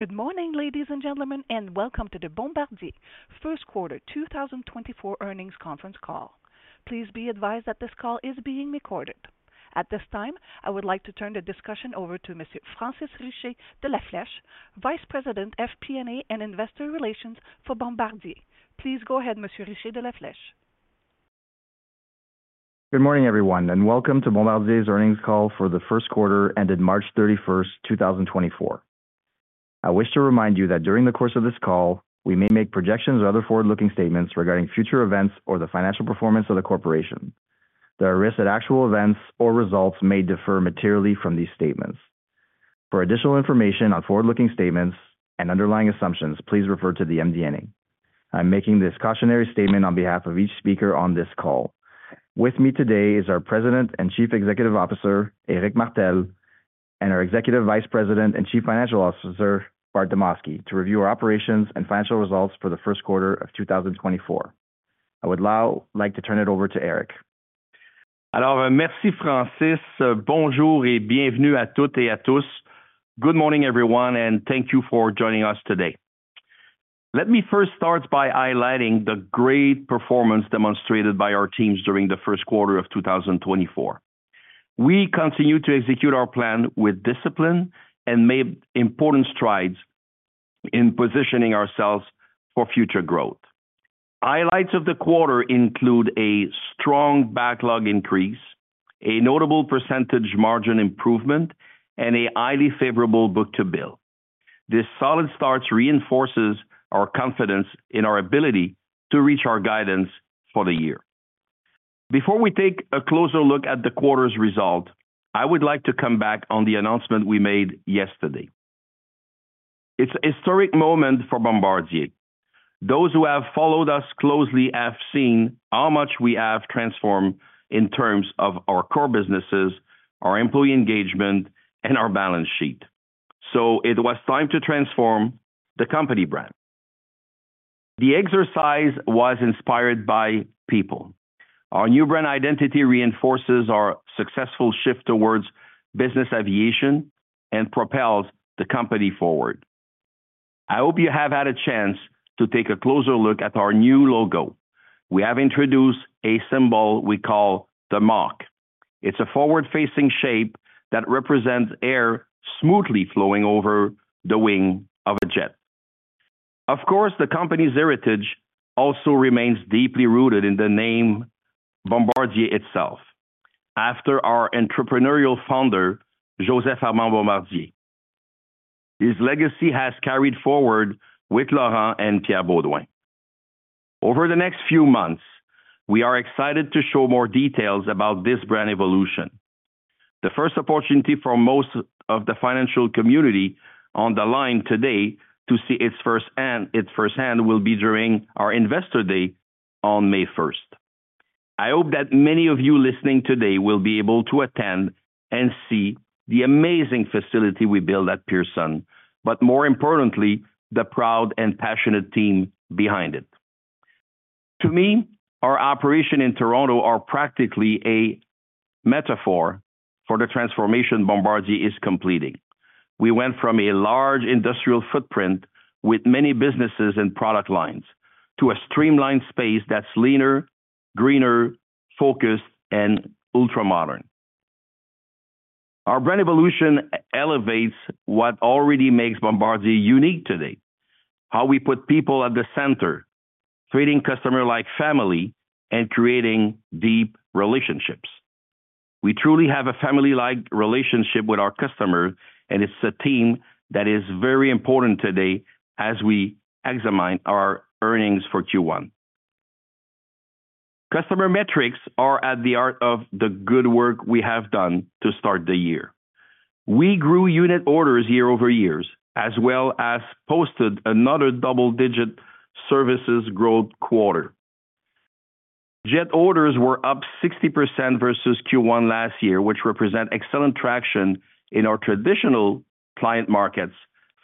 Good morning, ladies and gentlemen, and welcome to the Bombardier Q1 2024 earnings conference call. Please be advised that this call is being recorded. At this time, I would like to turn the discussion over to Monsieur Francis Richer de La Flèche, Vice President FP&A and Investor Relations for Bombardier. Please go ahead, Monsieur Richer de La Flèche. Good morning, everyone, and welcome to Bombardier's earnings call for the Q1 ended March 31st, 2024. I wish to remind you that during the course of this call, we may make projections or other forward-looking statements regarding future events or the financial performance of the corporation. There are risks that actual events or results may differ materially from these statements. For additional information on forward-looking statements and underlying assumptions, please refer to the MD&A. I'm making this cautionary statement on behalf of each speaker on this call. With me today is our President and Chief Executive Officer, Éric Martel, and our Executive Vice President and Chief Financial Officer, Bart Demosky, to review our operations and financial results for the Q1 of 2024. I would like to turn it over to Éric. Alors, merci Francis. Bonjour et bienvenue à toutes et à tous. Good morning, everyone, and thank you for joining us today. Let me first start by highlighting the great performance demonstrated by our teams during the Q1 of 2024. We continue to execute our plan with discipline and made important strides in positioning ourselves for future growth. Highlights of the quarter include a strong backlog increase, a notable percentage margin improvement, and a highly favorable book-to-bill. This solid start reinforces our confidence in our ability to reach our guidance for the year. Before we take a closer look at the quarter's result, I would like to come back on the announcement we made yesterday. It's a historic moment for Bombardier. Those who have followed us closely have seen how much we have transformed in terms of our core businesses, our employee engagement, and our balance sheet. So it was time to transform the company brand. The exercise was inspired by people. Our new brand identity reinforces our successful shift towards business aviation and propels the company forward. I hope you have had a chance to take a closer look at our new logo. We have introduced a symbol we call the Mach. It's a forward-facing shape that represents air smoothly flowing over the wing of a jet. Of course, the company's heritage also remains deeply rooted in the name Bombardier itself, after our entrepreneurial founder, Joseph-Armand Bombardier. His legacy has carried forward with Laurent and Pierre Beaudoin. Over the next few months, we are excited to show more details about this brand evolution. The first opportunity for most of the financial community on the line today to see it firsthand will be during our Investor Day on May 1st. I hope that many of you listening today will be able to attend and see the amazing facility we build at Pearson, but more importantly, the proud and passionate team behind it. To me, our operation in Toronto is practically a metaphor for the transformation Bombardier is completing. We went from a large industrial footprint with many businesses and product lines to a streamlined space that's leaner, greener, focused, and ultramodern. Our brand evolution elevates what already makes Bombardier unique today: how we put people at the center, treating customers like family, and creating deep relationships. We truly have a family-like relationship with our customers, and it's a team that is very important today as we examine our earnings for Q1. Customer metrics are at the heart of the good work we have done to start the year. We grew unit orders year-over-year, as well as posted another double-digit services growth quarter. Jet orders were up 60% versus Q1 last year, which represents excellent traction in our traditional client markets,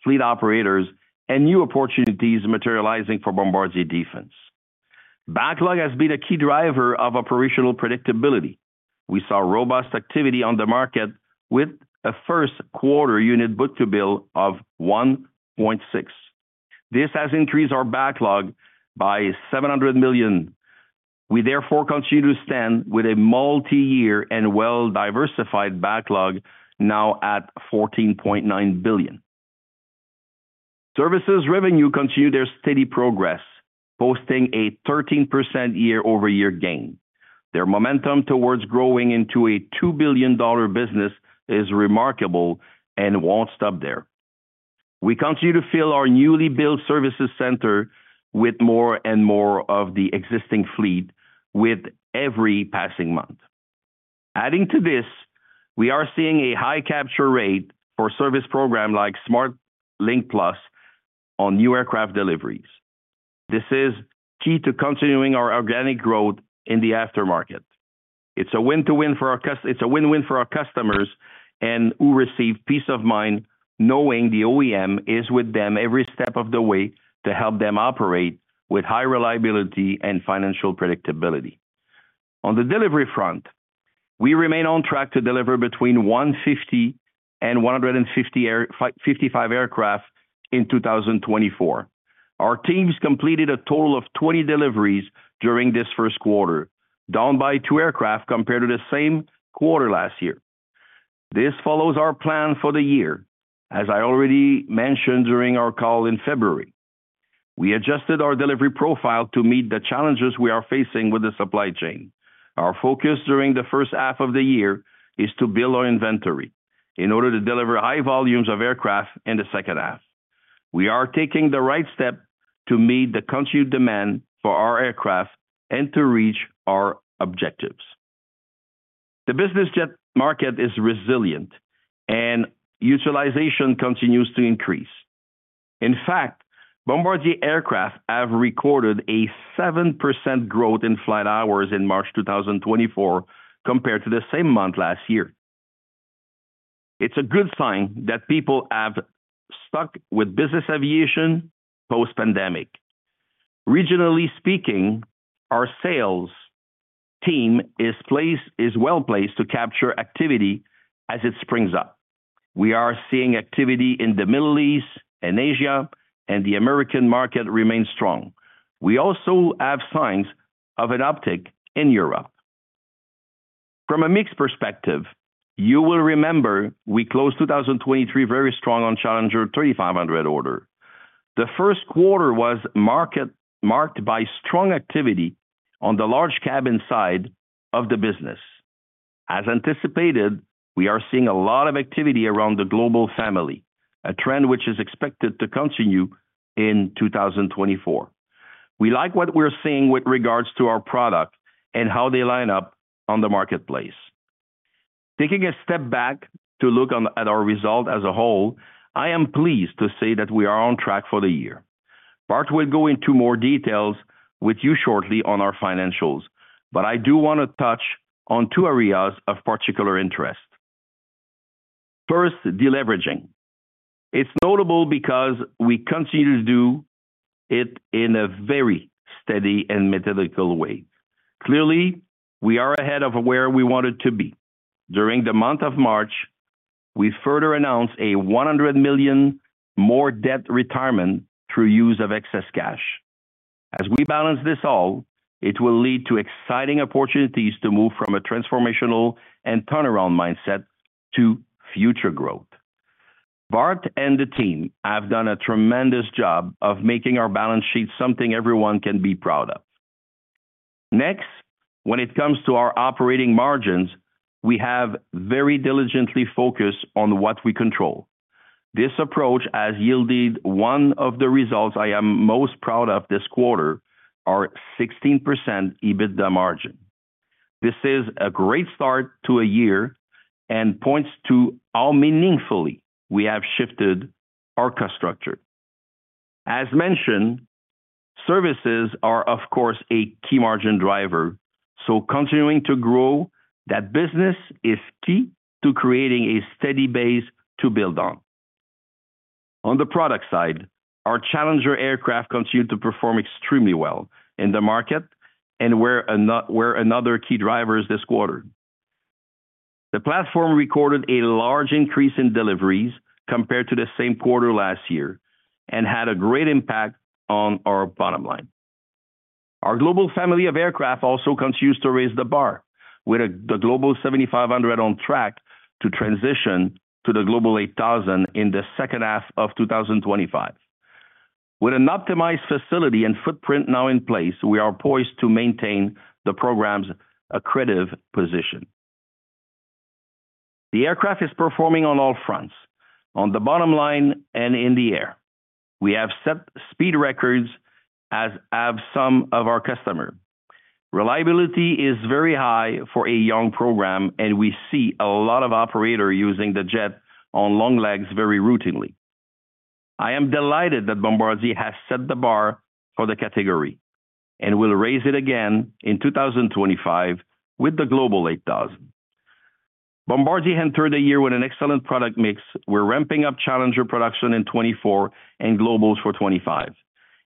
fleet operators, and new opportunities materializing for Bombardier Defense. Backlog has been a key driver of operational predictability. We saw robust activity on the market with a Q1 unit book-to-bill of 1.6. This has increased our backlog by $700 million. We therefore continue to stand with a multi-year and well-diversified backlog now at $14.9 billion. Services revenue continued their steady progress, posting a 13% year-over-year gain. Their momentum towards growing into a $2 billion business is remarkable and won't stop there. We continue to fill our newly built services center with more and more of the existing fleet with every passing month. Adding to this, we are seeing a high capture rate for service programs like Smart Link Plus on new aircraft deliveries. This is key to continuing our organic growth in the aftermarket. It's a win-win for our customers, who receive peace of mind knowing the OEM is with them every step of the way to help them operate with high reliability and financial predictability. On the delivery front, we remain on track to deliver between 150 and 155 aircraft in 2024. Our teams completed a total of 20 deliveries during this Q1, down by 2 aircraft compared to the same quarter last year. This follows our plan for the year, as I already mentioned during our call in February. We adjusted our delivery profile to meet the challenges we are facing with the supply chain. Our focus during the H1 of the year is to build our inventory in order to deliver high volumes of aircraft in the H2. We are taking the right step to meet the continued demand for our aircraft and to reach our objectives. The business jet market is resilient, and utilization continues to increase. In fact, Bombardier aircraft have recorded a 7% growth in flight hours in March 2024 compared to the same month last year. It's a good sign that people have stuck with business aviation post-pandemic. Regionally speaking, our sales team is well placed to capture activity as it springs up. We are seeing activity in the Middle East and Asia, and the American market remains strong. We also have signs of an uptick in Europe. From a mixed perspective, you will remember we closed 2023 very strong on Challenger 3500 order. The Q1 was marked by strong activity on the large cabin side of the business. As anticipated, we are seeing a lot of activity around the Global family, a trend which is expected to continue in 2024. We like what we're seeing with regards to our product and how they line up on the marketplace. Taking a step back to look at our result as a whole, I am pleased to say that we are on track for the year. Bart will go into more details with you shortly on our financials, but I do want to touch on two areas of particular interest. First, deleveraging. It's notable because we continue to do it in a very steady and methodical way. Clearly, we are ahead of where we wanted to be. During the month of March, we further announced a $100 million more debt retirement through use of excess cash. As we balance this all, it will lead to exciting opportunities to move from a transformational and turnaround mindset to future growth. Bart and the team have done a tremendous job of making our balance sheet something everyone can be proud of. Next, when it comes to our operating margins, we have very diligently focused on what we control. This approach has yielded one of the results I am most proud of this quarter, our 16% EBITDA margin. This is a great start to a year and points to how meaningfully we have shifted our cost structure. As mentioned, services are, of course, a key margin driver, so continuing to grow that business is key to creating a steady base to build on. On the product side, our Challenger aircraft continue to perform extremely well in the market and were another key drivers this quarter. The platform recorded a large increase in deliveries compared to the same quarter last year and had a great impact on our bottom line. Our Global family of aircraft also continues to raise the bar, with the Global 7500 on track to transition to the Global 8000 in the second half of 2025. With an optimized facility and footprint now in place, we are poised to maintain the program's accredited position. The aircraft is performing on all fronts, on the bottom line and in the air. We have set speed records as have some of our customers. Reliability is very high for a young program, and we see a lot of operators using the jet on long legs very routinely. I am delighted that Bombardier has set the bar for the category and will raise it again in 2025 with the Global 8000. Bombardier entered the year with an excellent product mix. We're ramping up Challenger production in 2024 and Globals for 2025.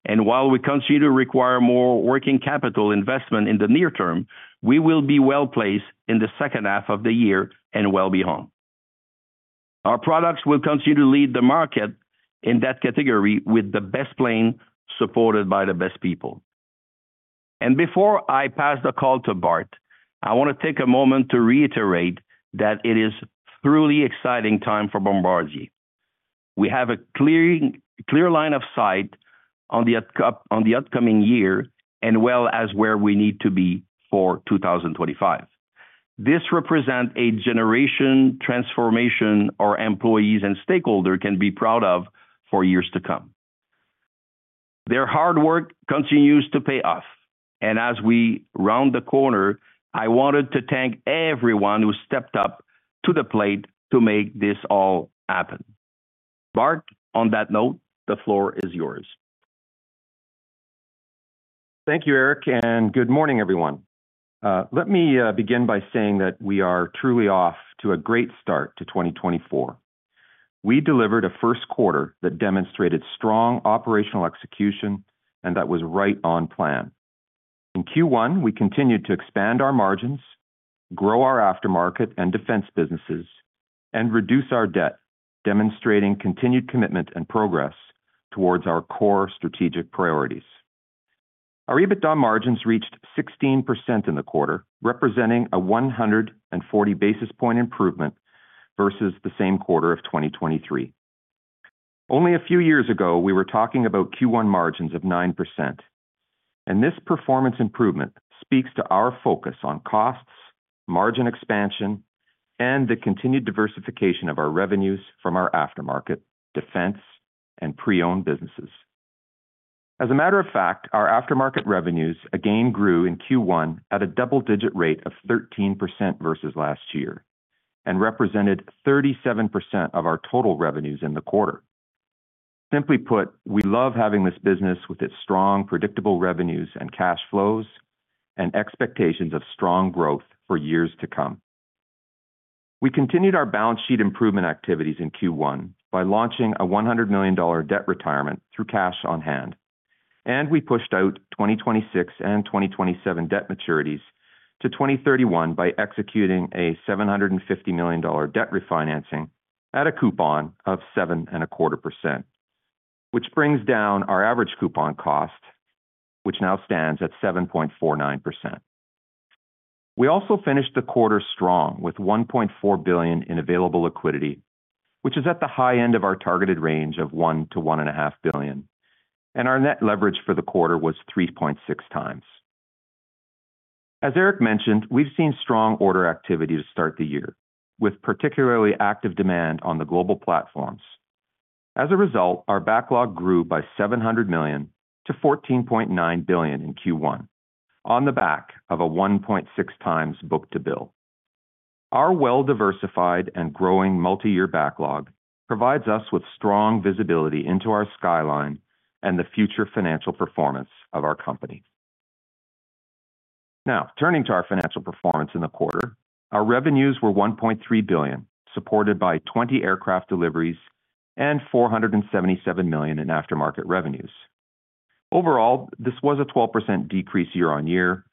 And while we continue to require more working capital investment in the near term, we will be well placed in the H2 of the year and well beyond. Our products will continue to lead the market in that category with the best plane supported by the best people. And before I pass the call to Bart, I want to take a moment to reiterate that it is a truly exciting time for Bombardier. We have a clear line of sight on the upcoming year as well as where we need to be for 2025. This represents a generation transformation our employees and stakeholders can be proud of for years to come. Their hard work continues to pay off. As we round the corner, I wanted to thank everyone who stepped up to the plate to make this all happen. Bart, on that note, the floor is yours. Thank you, Éric, and good morning, everyone. Let me begin by saying that we are truly off to a great start to 2024. We delivered a Q1 that demonstrated strong operational execution and that was right on plan. In Q1, we continued to expand our margins, grow our aftermarket and defense businesses, and reduce our debt, demonstrating continued commitment and progress towards our core strategic priorities. Our EBITDA margins reached 16% in the quarter, representing a 140 basis points improvement versus the same quarter of 2023. Only a few years ago, we were talking about Q1 margins of 9%, and this performance improvement speaks to our focus on costs, margin expansion, and the continued diversification of our revenues from our aftermarket, defense, and pre-owned businesses. As a matter of fact, our aftermarket revenues again grew in Q1 at a double-digit rate of 13% versus last year and represented 37% of our total revenues in the quarter. Simply put, we love having this business with its strong, predictable revenues and cash flows and expectations of strong growth for years to come. We continued our balance sheet improvement activities in Q1 by launching a $100 million debt retirement through cash on hand, and we pushed out 2026 and 2027 debt maturities to 2031 by executing a $750 million debt refinancing at a coupon of 7.25%, which brings down our average coupon cost, which now stands at 7.49%. We also finished the quarter strong with $1.4 billion in available liquidity, which is at the high end of our targeted range of $1 billion-$1.5 billion, and our net leverage for the quarter was 3.6 times. As Éric mentioned, we've seen strong order activity to start the year, with particularly active demand on the Global platforms. As a result, our backlog grew by $700 million to $14.9 billion in Q1, on the back of a 1.6x book-to-bill. Our well-diversified and growing multi-year backlog provides us with strong visibility into our skyline and the future financial performance of our company. Now, turning to our financial performance in the quarter, our revenues were $1.3 billion, supported by 20 aircraft deliveries and $477 million in aftermarket revenues. Overall, this was a 12% decrease year-over-year,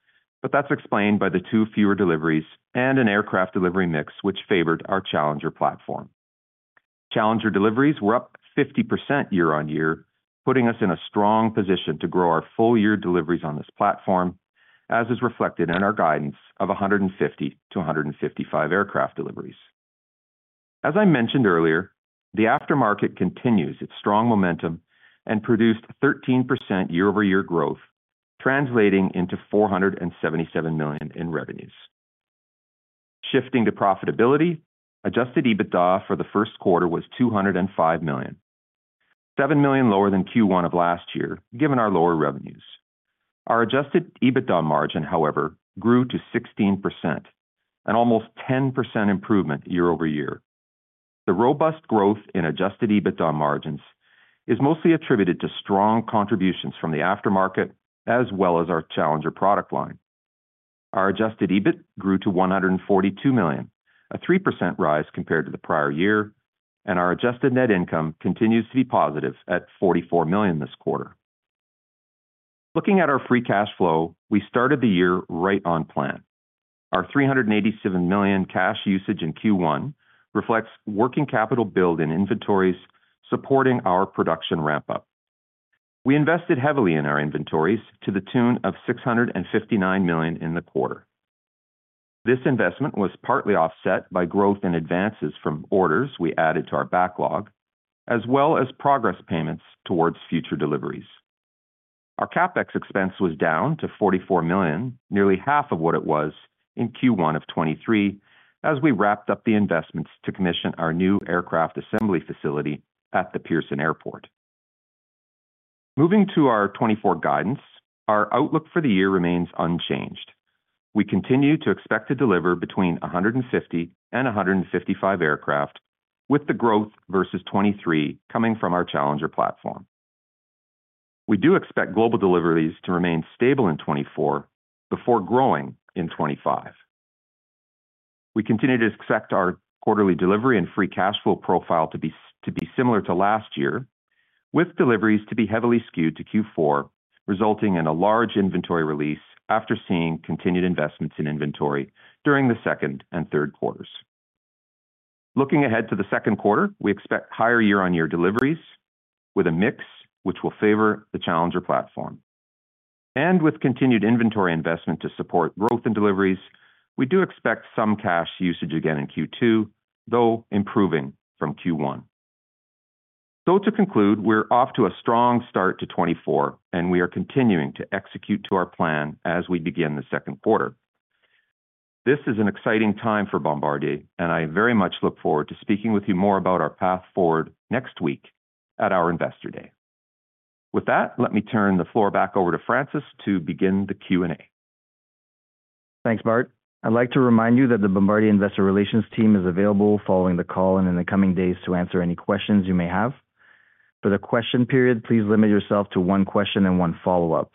but that's explained by the two fewer deliveries and an aircraft delivery mix which favored our Challenger platform. Challenger deliveries were up 50% year-over-year, putting us in a strong position to grow our full-year deliveries on this platform, as is reflected in our guidance of 150-155 aircraft deliveries. As I mentioned earlier, the aftermarket continues its strong momentum and produced 13% year-over-year growth, translating into $477 million in revenues. Shifting to profitability, Adjusted EBITDA for the Q1 was $205 million, $7 million lower than Q1 of last year, given our lower revenues. Our Adjusted EBITDA margin, however, grew to 16%, an almost 10% improvement year-over-year. The robust growth in Adjusted EBITDA margins is mostly attributed to strong contributions from the aftermarket as well as our Challenger product line. Our Adjusted EBIT grew to $142 million, a 3% rise compared to the prior year, and our Adjusted net income continues to be positive at $44 million this quarter. Looking at our free cash flow, we started the year right on plan. Our $387 million cash usage in Q1 reflects working capital build in inventories supporting our production ramp-up. We invested heavily in our inventories to the tune of $659 million in the quarter. This investment was partly offset by growth in advances from orders we added to our backlog, as well as progress payments towards future deliveries. Our CapEx expense was down to $44 million, nearly half of what it was in Q1 of 2023, as we wrapped up the investments to commission our new aircraft assembly facility at the Pearson Airport. Moving to our 2024 guidance, our outlook for the year remains unchanged. We continue to expect to deliver between 150 and 155 aircraft, with the growth versus 2023 coming from our Challenger platform. We do expect global deliveries to remain stable in 2024 before growing in 2025. We continue to expect our quarterly delivery and free cash flow profile to be similar to last year, with deliveries to be heavily skewed to Q4, resulting in a large inventory release after seeing continued investments in inventory during the second and third quarters. Looking ahead to the Q2, we expect higher year-on-year deliveries with a mix which will favor the Challenger platform. With continued inventory investment to support growth in deliveries, we do expect some cash usage again in Q2, though improving from Q1. To conclude, we're off to a strong start to 2024, and we are continuing to execute to our plan as we begin the Q2. This is an exciting time for Bombardier, and I very much look forward to speaking with you more about our path forward next week at our Investor Day. With that, let me turn the floor back over to Francis to begin the Q&A. Thanks, Bart. I'd like to remind you that the Bombardier Investor Relations team is available following the call and in the coming days to answer any questions you may have. For the question period, please limit yourself to one question and one follow-up.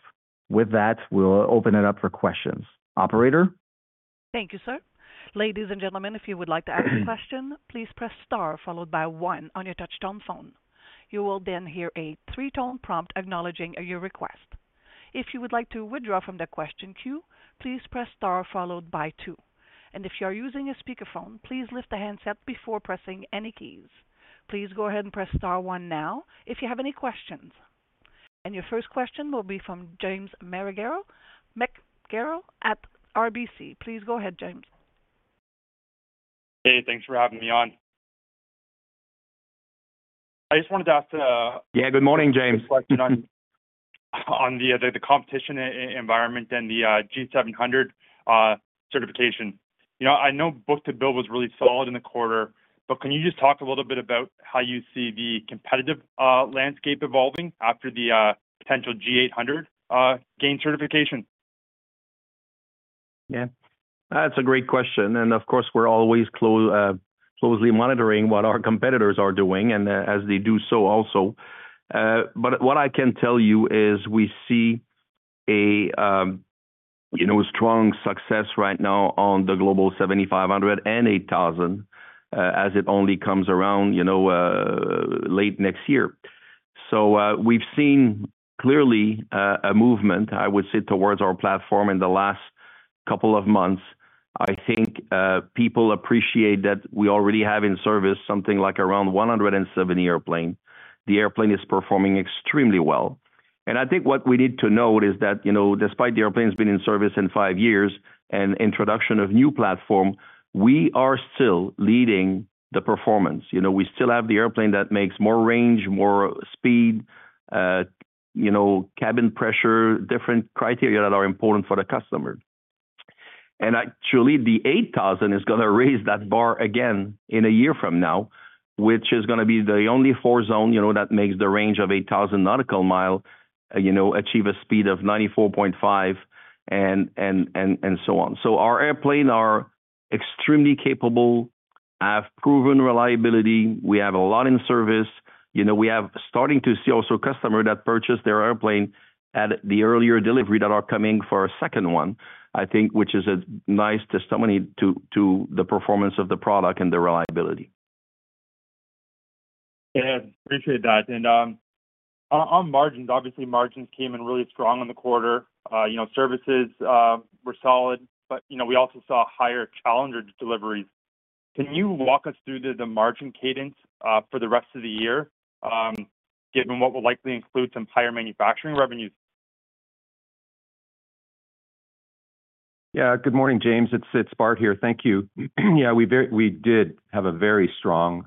With that, we'll open it up for questions. Operator? Thank you, sir. Ladies and gentlemen, if you would like to ask a question, please press star followed by one on your touch-tone phone. You will then hear a three-tone prompt acknowledging your request. If you would like to withdraw from the question queue, please press star followed by two. And if you are using a speakerphone, please lift the handset before pressing any keys. Please go ahead and press star one now if you have any questions. And your first question will be from James McGarragle at RBC. Please go ahead, James. Hey, thanks for having me on. I just wanted to ask a. Yeah, good morning, James. Question on the competitive environment and the G700 certification. I know book-to-bill was really solid in the quarter, but can you just talk a little bit about how you see the competitive landscape evolving after the potential G800 gains certification? Yeah, that's a great question. Of course, we're always closely monitoring what our competitors are doing and as they do so also. But what I can tell you is we see a strong success right now on the Global 7500 and 8000 as it only comes around late next year. So we've seen clearly a movement, I would say, towards our platform in the last couple of months. I think people appreciate that we already have in service something like around 107 airplanes. The airplane is performing extremely well. And I think what we need to note is that despite the airplane's been in service in five years and introduction of new platform, we are still leading the performance. We still have the airplane that makes more range, more speed, cabin pressure, different criteria that are important for the customer. Actually, the 8000 is going to raise that bar again in a year from now, which is going to be the only four-zone that makes the range of 8000 nautical miles achieve a speed of 94.5 and so on. So our airplanes are extremely capable, have proven reliability. We have a lot in service. We are starting to see also customers that purchase their airplane at the earlier delivery that are coming for a second one, I think, which is a nice testimony to the performance of the product and the reliability. Yeah, appreciate that. And on margins, obviously, margins came in really strong in the quarter. Services were solid, but we also saw higher Challenger deliveries. Can you walk us through the margin cadence for the rest of the year, given what will likely include some higher manufacturing revenues? Yeah, good morning, James. It's Bart here. Thank you. Yeah, we did have a very strong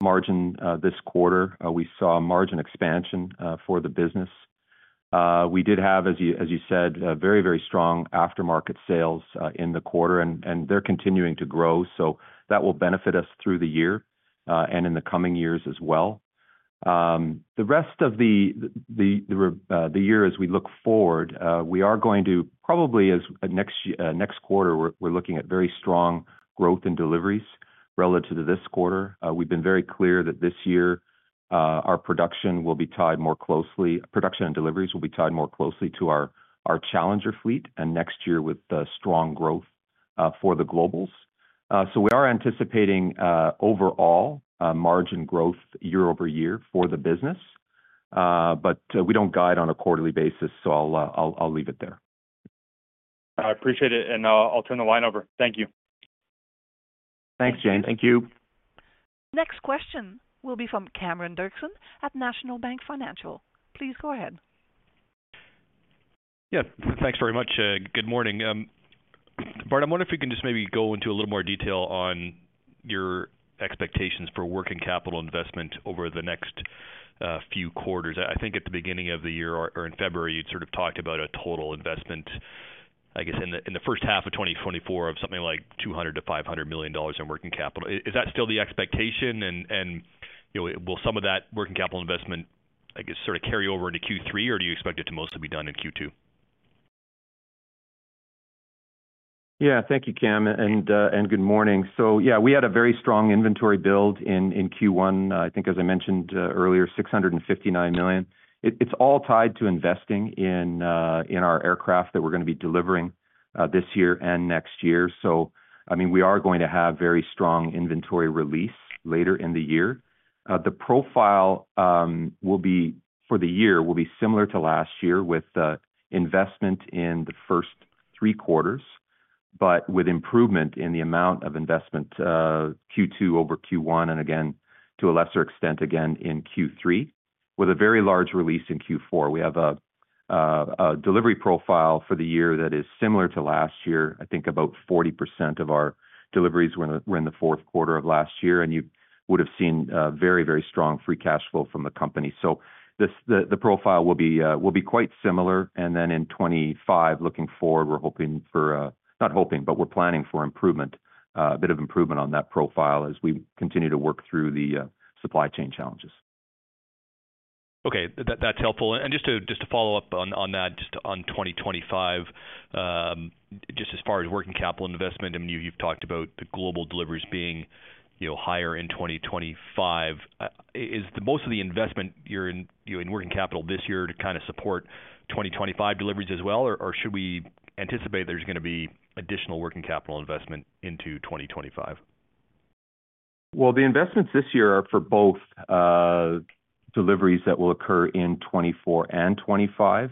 margin this quarter. We saw margin expansion for the business. We did have, as you said, very, very strong aftermarket sales in the quarter, and they're continuing to grow. So that will benefit us through the year and in the coming years as well. The rest of the year as we look forward, we are going to probably as next quarter, we're looking at very strong growth in deliveries relative to this quarter. We've been very clear that this year, our production will be tied more closely production and deliveries will be tied more closely to our Challenger fleet and next year with strong growth for the Globals. So we are anticipating overall margin growth year-over-year for the business, but we don't guide on a quarterly basis, so I'll leave it there. I appreciate it. I'll turn the line over. Thank you. Thanks, James. Thank you. Next question will be from Cameron Doerksen at National Bank Financial. Please go ahead. Yeah, thanks very much. Good morning. Bart, I wonder if you can just maybe go into a little more detail on your expectations for working capital investment over the next few quarters. I think at the beginning of the year or in February, you'd sort of talked about a total investment, I guess, in the H1 of 2024 of something like $200 million-$500 million in working capital. Is that still the expectation, and will some of that working capital investment, I guess, sort of carry over into Q3, or do you expect it to mostly be done in Q2? Yeah, thank you, Cam, and good morning. So yeah, we had a very strong inventory build in Q1. I think, as I mentioned earlier, $659 million. It's all tied to investing in our aircraft that we're going to be delivering this year and next year. So I mean, we are going to have very strong inventory release later in the year. The profile for the year will be similar to last year with investment in the first three quarters, but with improvement in the amount of investment Q2 over Q1 and again, to a lesser extent, again in Q3, with a very large release in Q4. We have a delivery profile for the year that is similar to last year. I think about 40% of our deliveries were in the Q4 of last year, and you would have seen very, very strong free cash flow from the company. The profile will be quite similar. Then in 2025, looking forward, we're hoping for not hoping, but we're planning for improvement, a bit of improvement on that profile as we continue to work through the supply chain challenges. Okay, that's helpful. And just to follow up on that, just on 2025, just as far as working capital investment, I mean, you've talked about the global deliveries being higher in 2025. Is most of the investment you're in working capital this year to kind of support 2025 deliveries as well, or should we anticipate there's going to be additional working capital investment into 2025? Well, the investments this year are for both deliveries that will occur in 2024 and 2025.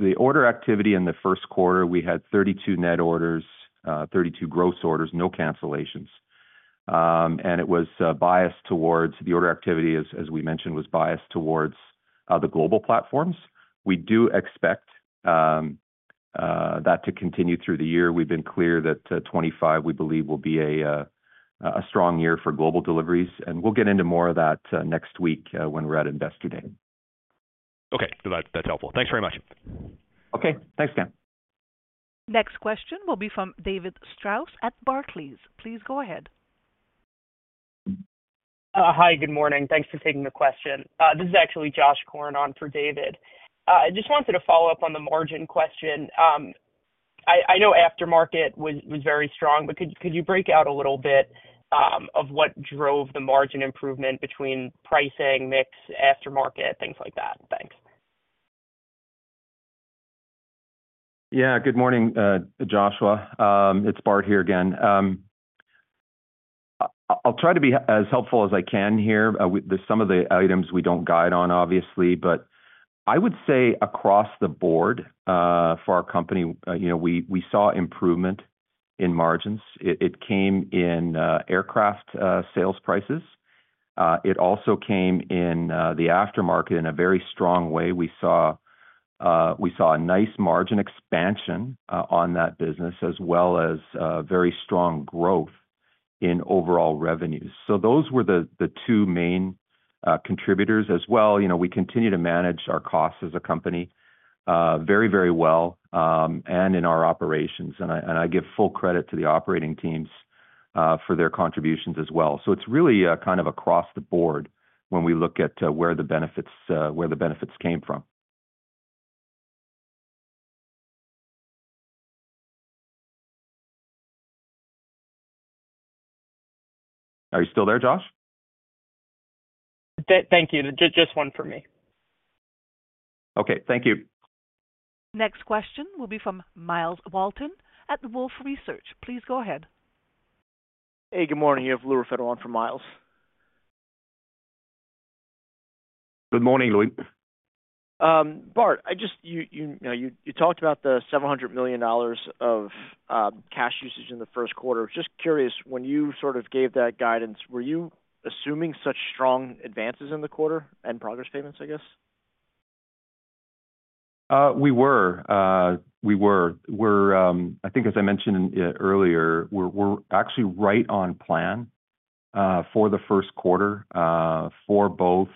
The order activity in the Q1, we had 32 net orders, 32 gross orders, no cancellations. And it was biased towards the order activity, as we mentioned, was biased towards the global platforms. We do expect that to continue through the year. We've been clear that 2025, we believe, will be a strong year for global deliveries. And we'll get into more of that next week when we're at Investor Day. Okay, that's helpful. Thanks very much. Okay, thanks, Cam. Next question will be from David Strauss at Barclays. Please go ahead. Hi, good morning. Thanks for taking the question. This is actually Josh Korn on for David. I just wanted to follow up on the margin question. I know aftermarket was very strong, but could you break out a little bit of what drove the margin improvement between pricing, mix, aftermarket, things like that? Thanks. Yeah, good morning, Joshua. It's Bart here again. I'll try to be as helpful as I can here. There's some of the items we don't guide on, obviously, but I would say across the board for our company, we saw improvement in margins. It came in aircraft sales prices. It also came in the aftermarket in a very strong way. We saw a nice margin expansion on that business as well as very strong growth in overall revenues. So those were the two main contributors as well. We continue to manage our costs as a company very, very well and in our operations. And I give full credit to the operating teams for their contributions as well. So it's really kind of across the board when we look at where the benefits came from. Are you still there, Josh? Thank you. Just one for me. Okay, thank you. Next question will be from Myles Walton at Wolfe Research. Please go ahead. Hey, good morning. You have Louis Raffetto from Myles. Good morning, Louis. Bart, you talked about the $700 million of cash usage in the Q1. Just curious, when you sort of gave that guidance, were you assuming such strong advances in the quarter and progress payments, I guess? We were. We were. I think, as I mentioned earlier, we're actually right on plan for the Q1 for both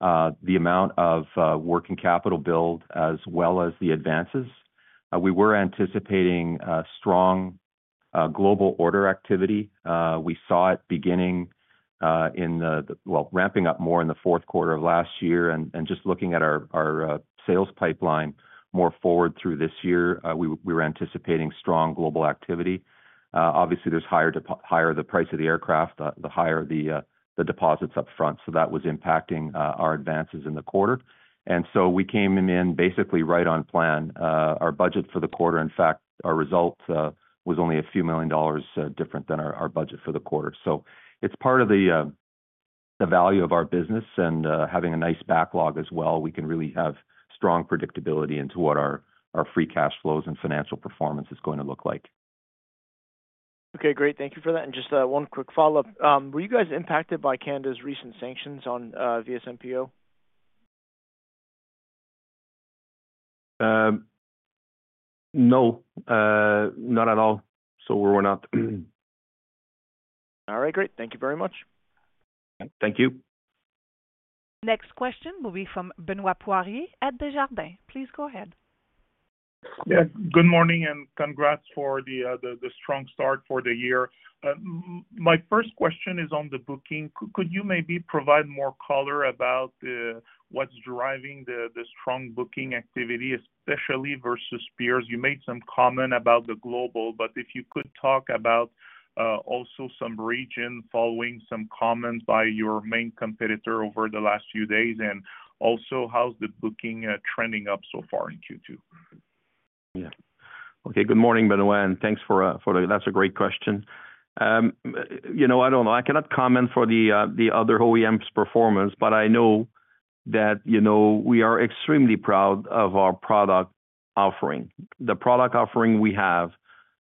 the amount of working capital build as well as the advances. We were anticipating strong global order activity. We saw it beginning in the, well, ramping up more in the Q4 of last year. And just looking at our sales pipeline more forward through this year, we were anticipating strong global activity. Obviously, the higher the price of the aircraft, the higher the deposits upfront. So that was impacting our advances in the quarter. And so we came in basically right on plan. Our budget for the quarter, in fact, our result was only $a few million different than our budget for the quarter. So it's part of the value of our business. Having a nice backlog as well, we can really have strong predictability into what our free cash flows and financial performance is going to look like. Okay, great. Thank you for that. Just one quick follow-up. Were you guys impacted by Canada's recent sanctions on VSMPO? No, not at all. So we're not. All right, great. Thank you very much. Thank you. Next question will be from Benoît Poirier at Desjardins. Please go ahead. Yeah, good morning and congrats for the strong start for the year. My first question is on the booking. Could you maybe provide more color about what's driving the strong booking activity, especially versus peers? You made some comment about the Global, but if you could talk about also some region following some comments by your main competitor over the last few days and also how's the booking trending up so far in Q2? Yeah. Okay, good morning, Benoît. And thanks for the that's a great question. I don't know. I cannot comment for the other OEMs' performance, but I know that we are extremely proud of our product offering. The product offering we have,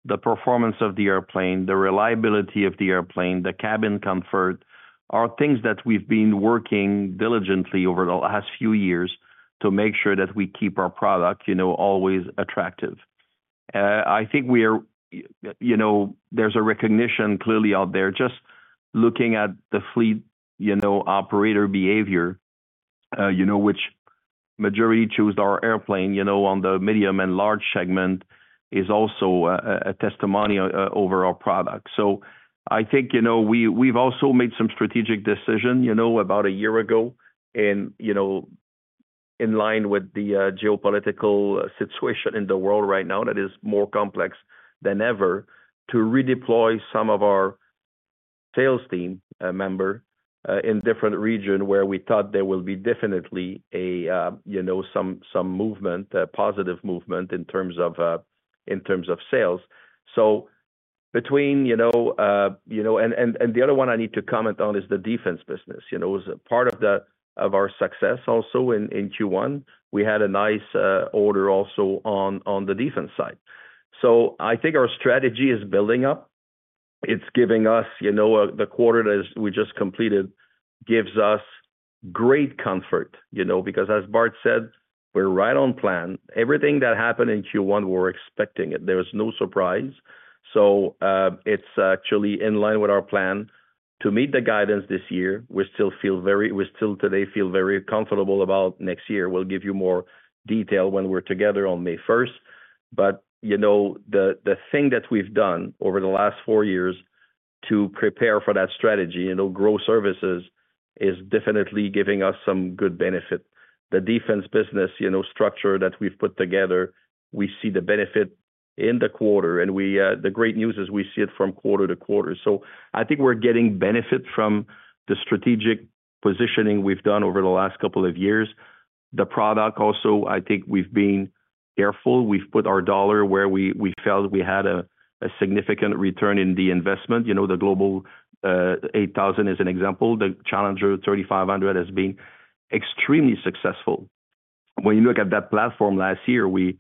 the performance of the airplane, the reliability of the airplane, the cabin comfort are things that we've been working diligently over the last few years to make sure that we keep our product always attractive. I think there's a recognition clearly out there just looking at the fleet operator behavior, which majority chose our airplane on the medium and large segment is also a testimony over our product. So I think we've also made some strategic decisions about a year ago in line with the geopolitical situation in the world right now that is more complex than ever to redeploy some of our sales team members in different regions where we thought there will be definitely some movement, positive movement in terms of sales. So between and the other one I need to comment on is the defense business. It was part of our success also in Q1. We had a nice order also on the defense side. So I think our strategy is building up. It's giving us the quarter that we just completed gives us great comfort because, as Bart said, we're right on plan. Everything that happened in Q1, we were expecting it. There was no surprise. So it's actually in line with our plan to meet the guidance this year. We still today feel very comfortable about next year. We'll give you more detail when we're together on May 1st. But the thing that we've done over the last four years to prepare for that strategy, grow services, is definitely giving us some good benefit. The defense business structure that we've put together, we see the benefit in the quarter. And the great news is we see it from quarter-to-quarter. So I think we're getting benefit from the strategic positioning we've done over the last couple of years. The product also, I think we've been careful. We've put our dollar where we felt we had a significant return in the investment. The Global 8000 is an example. The Challenger 3500 has been extremely successful. When you look at that platform last year, we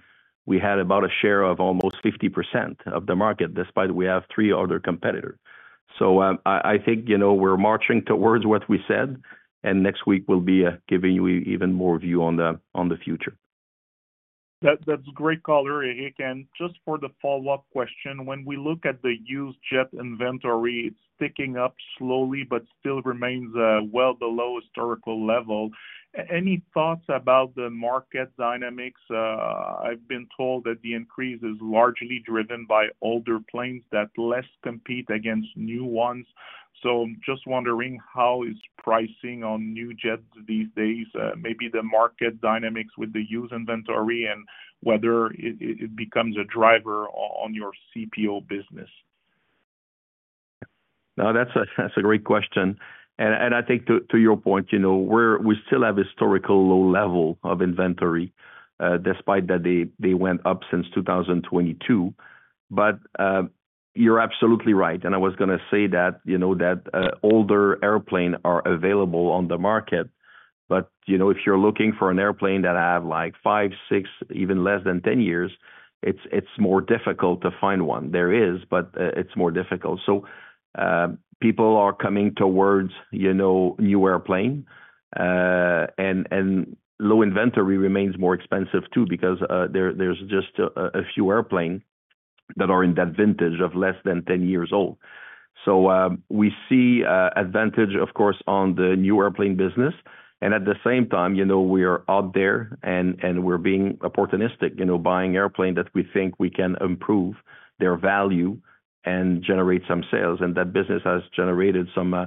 had about a share of almost 50% of the market despite, we have three other competitors. So I think we're marching towards what we said. Next week, we'll be giving you even more view on the future. That's a great call, Éric. Just for the follow-up question, when we look at the used jet inventory, it's ticking up slowly, but still remains well below historical level. Any thoughts about the market dynamics? I've been told that the increase is largely driven by older planes that less compete against new ones. So I'm just wondering how is pricing on new jets these days? Maybe the market dynamics with the used inventory and whether it becomes a driver on your CPO business? No, that's a great question. And I think to your point, we still have historical low level of inventory despite that they went up since 2022. But you're absolutely right. And I was going to say that older airplanes are available on the market. But if you're looking for an airplane that has like five, six, even less than 10 years, it's more difficult to find one. There is, but it's more difficult. So people are coming towards new airplanes. And low inventory remains more expensive too because there's just a few airplanes that are in that vintage of less than 10 years old. So we see advantage, of course, on the new airplane business. And at the same time, we are out there and we're being opportunistic, buying airplanes that we think we can improve their value and generate some sales. That business has generated some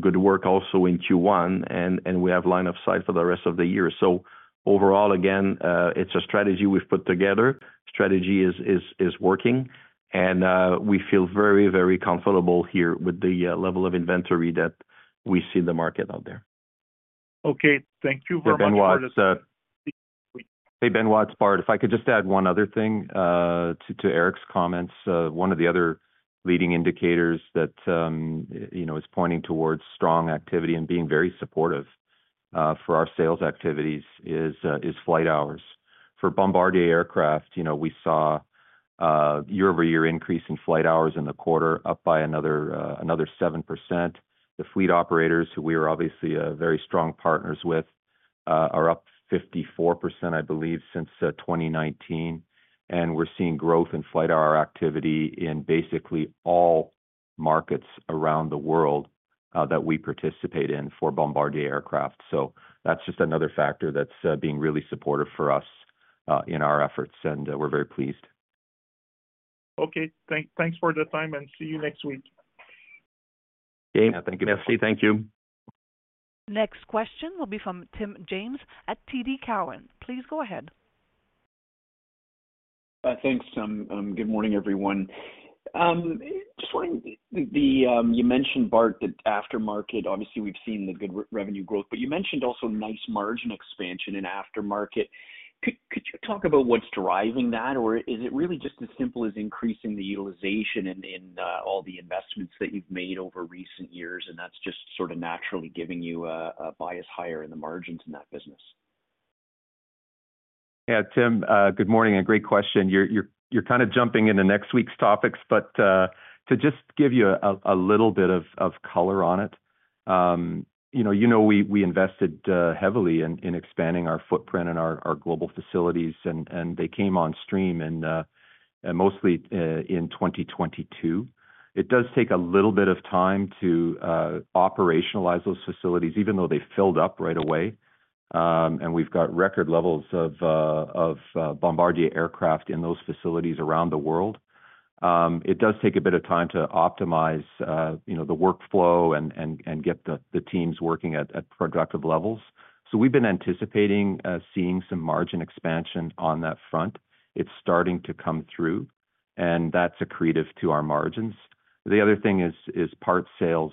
good work also in Q1. And we have line of sight for the rest of the year. So overall, again, it's a strategy we've put together. Strategy is working. And we feel very, very comfortable here with the level of inventory that we see in the market out there. Okay, thank you very much for this. Hey, Benoît. It's Bart. If I could just add one other thing to Éric's comments. One of the other leading indicators that is pointing towards strong activity and being very supportive for our sales activities is flight hours. For Bombardier Aircraft, we saw year-over-year increase in flight hours in the quarter, up by another 7%. The fleet operators, who we are obviously very strong partners with, are up 54%, I believe, since 2019. And we're seeing growth in flight hour activity in basically all markets around the world that we participate in for Bombardier Aircraft. So that's just another factor that's being really supportive for us in our efforts. And we're very pleased. Okay, thanks for the time. And see you next week. Thank you, Mercy. Thank you. Next question will be from Tim James at TD Cowen. Please go ahead. Thanks. Good morning, everyone. Just wanted to, you mentioned, Bart, that aftermarket, obviously, we've seen the good revenue growth. But you mentioned also nice margin expansion in aftermarket. Could you talk about what's driving that? Or is it really just as simple as increasing the utilization in all the investments that you've made over recent years? And that's just sort of naturally giving you a bias higher in the margins in that business? Yeah, Tim, good morning. Great question. You're kind of jumping into next week's topics. But to just give you a little bit of color on it, you know we invested heavily in expanding our footprint and our Global facilities. They came on stream mostly in 2022. It does take a little bit of time to operationalize those facilities, even though they filled up right away. We've got record levels of Bombardier aircraft in those facilities around the world. It does take a bit of time to optimize the workflow and get the teams working at productive levels. So we've been anticipating seeing some margin expansion on that front. It's starting to come through. That's accretive to our margins. The other thing is parts sales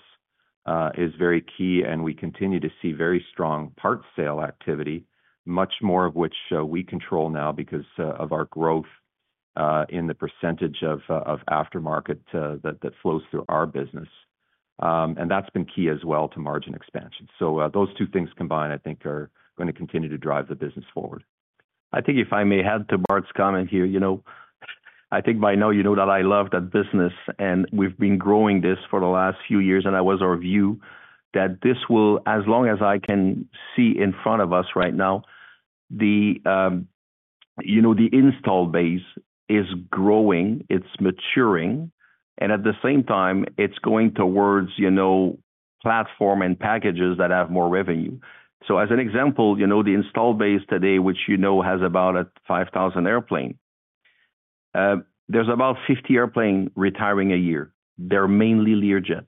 is very key. We continue to see very strong parts sale activity, much more of which we control now because of our growth in the percentage of aftermarket that flows through our business. That's been key as well to margin expansion. Those two things combined, I think, are going to continue to drive the business forward. I think if I may add to Bart's comment here, I think by now you know that I love that business. And we've been growing this for the last few years. And that was our view that this will as long as I can see in front of us right now, the install base is growing. It's maturing. And at the same time, it's going towards platform and packages that have more revenue. So as an example, the install base today, which you know has about 5,000 airplanes, there's about 50 airplanes retiring a year. They're mainly Learjet,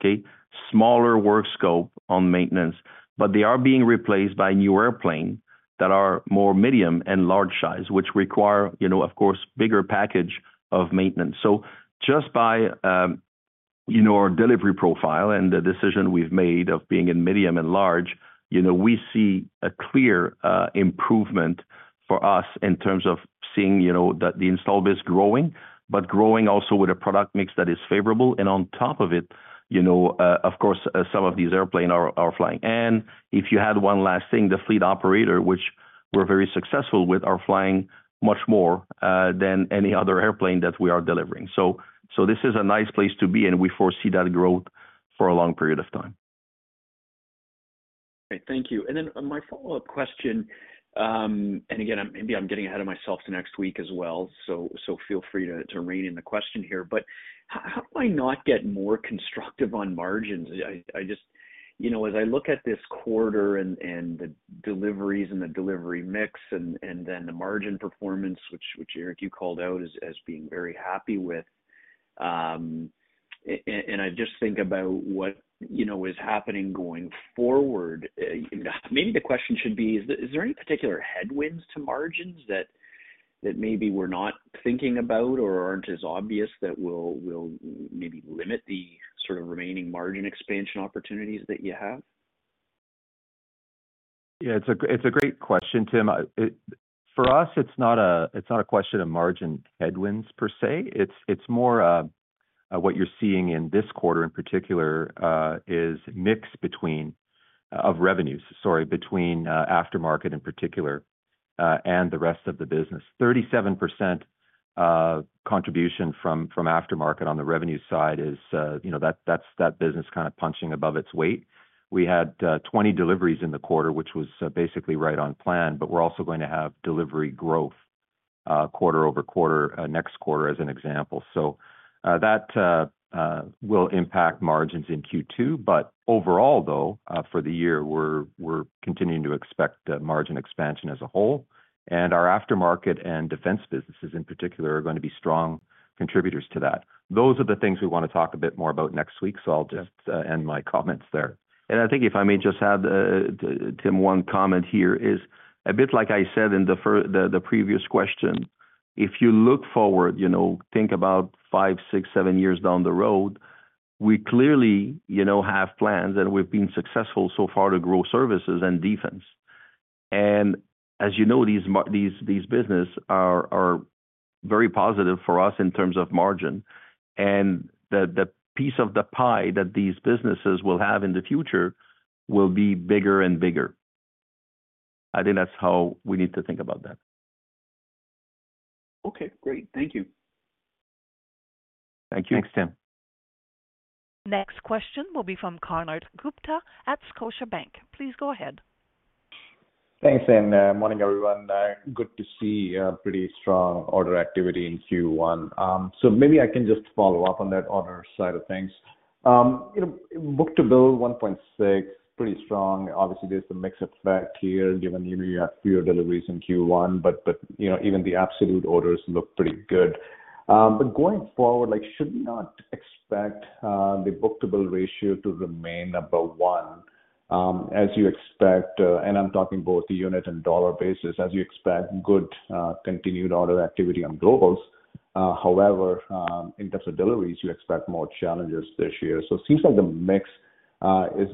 okay? Smaller work scope on maintenance. But they are being replaced by new airplanes that are more medium and large size, which require, of course, bigger package of maintenance. Just by our delivery profile and the decision we've made of being in medium and large, we see a clear improvement for us in terms of seeing that the installed base is growing, but growing also with a product mix that is favorable. On top of it, of course, some of these airplanes are flying. If you add one last thing, the fleet operators, which we're very successful with, are flying much more than any other airplane that we are delivering. This is a nice place to be. We foresee that growth for a long period of time. Great. Thank you. And then my follow-up question and again, maybe I'm getting ahead of myself to next week as well. So feel free to rein in the question here. But how do I not get more constructive on margins? As I look at this quarter and the deliveries and the delivery mix and then the margin performance, which, Éric, you called out as being very happy with, and I just think about what is happening going forward, maybe the question should be, is there any particular headwinds to margins that maybe we're not thinking about or aren't as obvious that will maybe limit the sort of remaining margin expansion opportunities that you have? Yeah, it's a great question, Tim. For us, it's not a question of margin headwinds per se. It's more what you're seeing in this quarter in particular is mix between of revenues, sorry, between aftermarket in particular and the rest of the business. 37% contribution from aftermarket on the revenue side is that business kind of punching above its weight. We had 20 deliveries in the quarter, which was basically right on plan. But we're also going to have delivery growth quarter-over-quarter, next quarter, as an example. So that will impact margins in Q2. But overall, though, for the year, we're continuing to expect margin expansion as a whole. And our aftermarket and defense businesses in particular are going to be strong contributors to that. Those are the things we want to talk a bit more about next week. So I'll just end my comments there. And I think if I may just add, Tim, one comment here is a bit like I said in the previous question. If you look forward, think about five, six, seven years down the road, we clearly have plans. And we've been successful so far to grow services and defense. And as you know, these businesses are very positive for us in terms of margin. And the piece of the pie that these businesses will have in the future will be bigger and bigger. I think that's how we need to think about that. Okay, great. Thank you. Thank you. Thanks, Tim. Next question will be from Konark Gupta at Scotiabank. Please go ahead. Thanks. Good morning, everyone. Good to see pretty strong order activity in Q1. Maybe I can just follow up on that order side of things. Book-to-bill 1.6, pretty strong. Obviously, there's the mix effect here given you have fewer deliveries in Q1. Even the absolute orders look pretty good. Going forward, should we not expect the book-to-bill ratio to remain above one as you expect? I'm talking both the unit and dollar basis as you expect good continued order activity on Globals. However, in terms of deliveries, you expect more challenges this year. It seems like the mix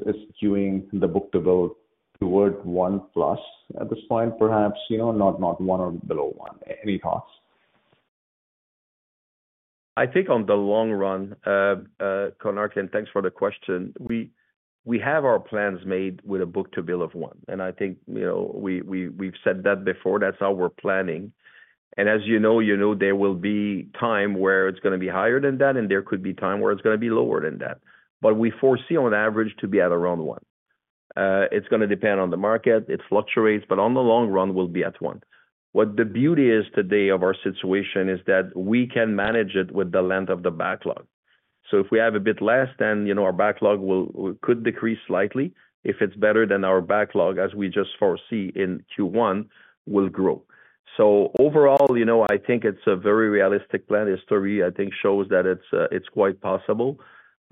is queuing the book-to-bill toward one plus at this point, perhaps, not one or below one. Any thoughts? I think on the long run, Konark, and thanks for the question. We have our plans made with a book-to-bill of one. I think we've said that before. That's how we're planning. As you know, there will be time where it's going to be higher than that. There could be time where it's going to be lower than that. But we foresee on average to be at around one. It's going to depend on the market. It fluctuates. But on the long run, we'll be at one. What the beauty is today of our situation is that we can manage it with the length of the backlog. So if we have a bit less, then our backlog could decrease slightly. If it's better than our backlog, as we just foresee in Q1, will grow. So overall, I think it's a very realistic plan. History, I think, shows that it's quite possible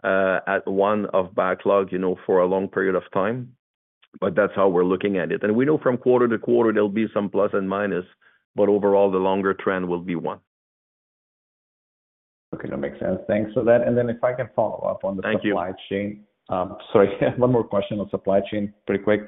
at 1:1 backlog for a long period of time. That's how we're looking at it. We know from quarter-to-quarter, there'll be some plus and minus. Overall, the longer trend will be one. Okay, that makes sense. Thanks for that. And then if I can follow up on the supply chain. Thank you. Sorry, one more question on supply chain, pretty quick.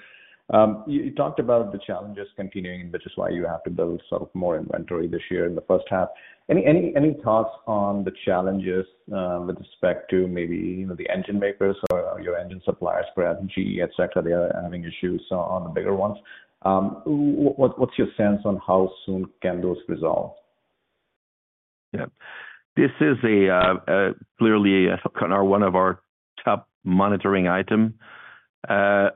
You talked about the challenges continuing, which is why you have to build sort of more inventory this year in the first half. Any thoughts on the challenges with respect to maybe the engine makers or your engine suppliers, perhaps GE, etc., they are having issues on the bigger ones? What's your sense on how soon can those resolve? Yeah, this is clearly one of our top monitoring items. The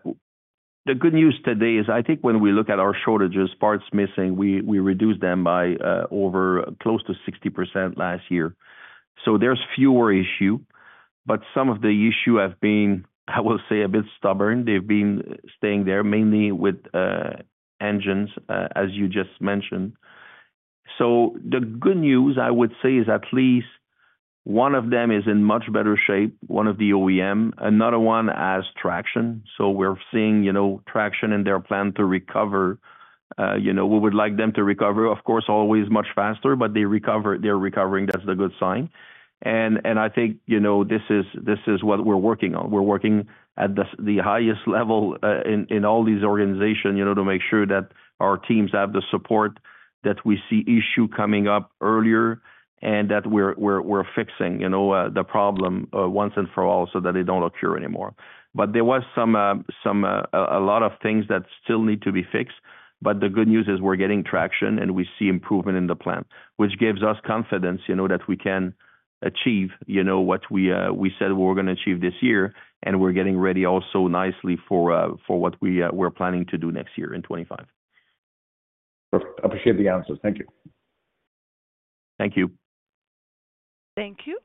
good news today is I think when we look at our shortages, parts missing, we reduce them by over close to 60% last year. So there's fewer issues. But some of the issues have been, I will say, a bit stubborn. They've been staying there mainly with engines, as you just mentioned. So the good news, I would say, is at least one of them is in much better shape, one of the OEM. Another one has traction. So we're seeing traction in their plan to recover. We would like them to recover, of course, always much faster. But they're recovering. That's the good sign. And I think this is what we're working on. We're working at the highest level in all these organizations to make sure that our teams have the support that we see issues coming up earlier and that we're fixing the problem once and for all so that they don't occur anymore. But there was a lot of things that still need to be fixed. But the good news is we're getting traction. And we see improvement in the plan, which gives us confidence that we can achieve what we said we were going to achieve this year. And we're getting ready also nicely for what we're planning to do next year in 2025. Perfect. I appreciate the answers. Thank you. Thank you. Thank you.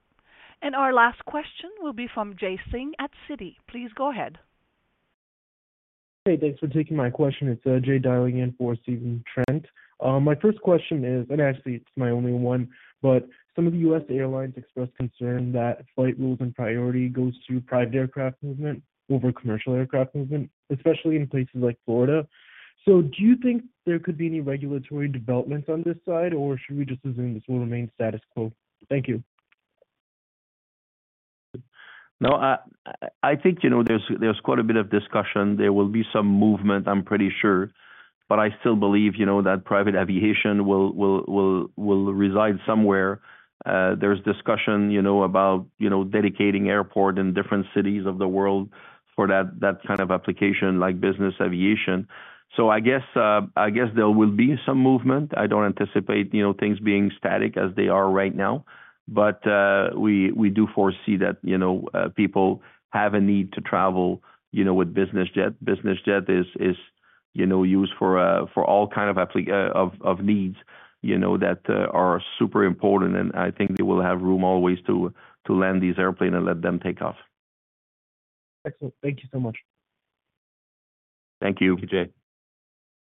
And our last question will be from Jay Singh at Citi. Please go ahead. Hey, thanks for taking my question. It's Jay dialing in for Stephen Trent. My first question is, and actually, it's my only one. But some of the U.S. airlines express concern that flight rules and priority goes to private aircraft movement over commercial aircraft movement, especially in places like Florida. So do you think there could be any regulatory developments on this side? Or should we just assume this will remain status quo? Thank you. No, I think there's quite a bit of discussion. There will be some movement, I'm pretty sure. But I still believe that private aviation will reside somewhere. There's discussion about dedicating airports in different cities of the world for that kind of application like business aviation. So I guess there will be some movement. I don't anticipate things being static as they are right now. But we do foresee that people have a need to travel with business jets. Business jets are used for all kinds of needs that are super important. And I think they will have room always to land these airplanes and let them take off. Excellent. Thank you so much. Thank you. Thank you, Jay.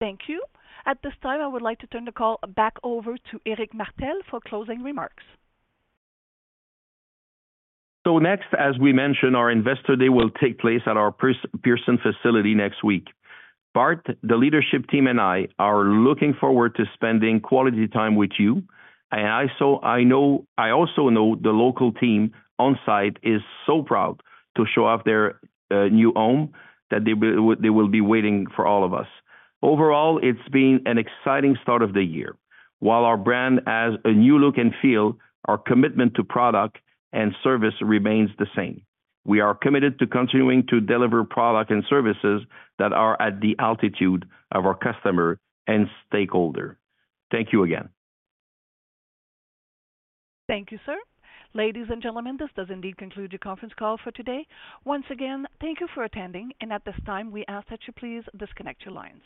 Thank you. At this time, I would like to turn the call back over to Éric Martel for closing remarks. Next, as we mentioned, our investor day will take place at our Pearson facility next week. Bart, the leadership team, and I are looking forward to spending quality time with you. I also know the local team on site is so proud to show off their new home that they will be waiting for all of us. Overall, it's been an exciting start of the year. While our brand has a new look and feel, our commitment to product and service remains the same. We are committed to continuing to deliver product and services that are at the altitude of our customer and stakeholder. Thank you again. Thank you, sir. Ladies and gentlemen, this does indeed conclude the conference call for today. Once again, thank you for attending. At this time, we ask that you please disconnect your lines.